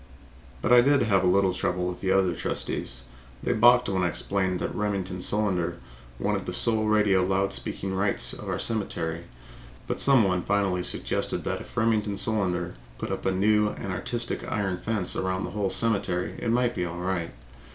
But I did have a little trouble with the other trustees. They balked when I explained that Remington Solander wanted the sole radio loud speaking rights of our cemetery, but some one finally suggested that if Remington Solander put up a new and artistic iron fence around the whole cemetery it might be all right.